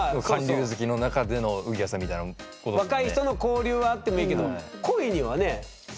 若い人の交流はあってもいいけど恋にはね？